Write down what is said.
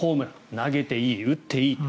投げていい、打っていい。